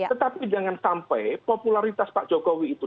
tetapi jangan sampai popularitas pak jokowi itu